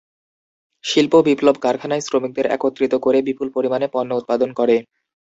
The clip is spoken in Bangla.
শিল্প বিপ্লব কারখানায় শ্রমিকদের একত্রিত করে, বিপুল পরিমাণে পণ্য উৎপাদন করে।